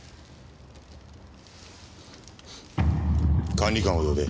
管理官を呼べ。